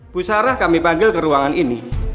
pusarah kami panggil ke ruangan ini